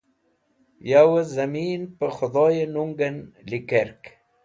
Yawẽ zẽmin pẽ Khẽdhoyẽ nungẽn likẽrk.